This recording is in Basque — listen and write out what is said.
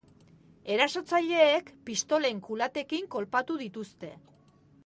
Erasotzaileek pistolen kulatekin kolpatu dituzte.